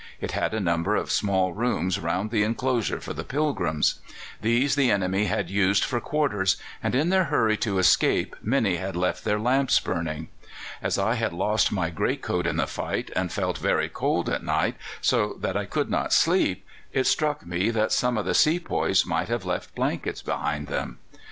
It had a number of small rooms round the enclosure for the pilgrims. These the enemy had used for quarters, and in their hurry to escape many had left their lamps burning. As I had lost my greatcoat in the fight, and felt very cold at night, so that I could not sleep, it struck me that some of the sepoys might have left blankets behind them.